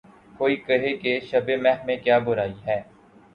کوئی کہے کہ‘ شبِ مہ میں کیا برائی ہے